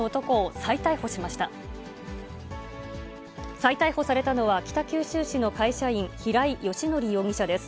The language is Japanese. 再逮捕されたのは北九州市の会社員、平井英康容疑者です。